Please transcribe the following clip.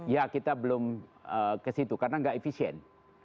ya kita belum kesitu karena gak efisien